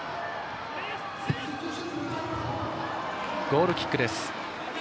ゴールキックです。